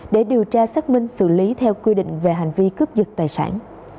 để điều tra xác minh xử lý theo quy định về hành vi cướp giật tài sản